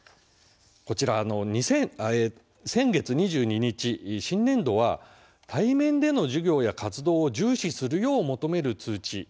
こちら、先月２２日新年度は対面での授業や活動を重視するよう求める通知